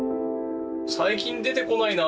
最近出てこないなあ